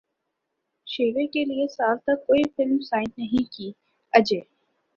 شیوے کیلئے سال تک کوئی فلم سائن نہیں کی اجے